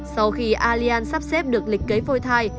sau khi allianz sắp xếp được lịch kế phôi thai